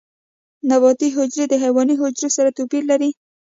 نباتي حجرې د حیواني حجرو سره توپیر لري